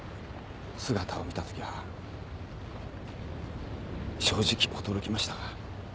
姿を見たときは正直驚きましたが。